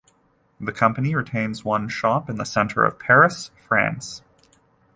The company retains one shop in the centre of Paris, France.